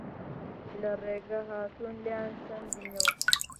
لە ڕێگە هاتوون لێیان ستاندووینەوە